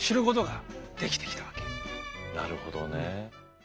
なるほどね。